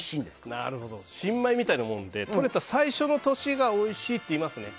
なるほど、新米みたいなものでとれた最初の年がおいしいっていいますね。